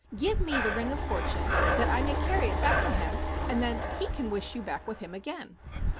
Give me the Ring of Fortune that I may carry it back to him, and then he can wish you with him again."